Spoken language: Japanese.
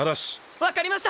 分かりました！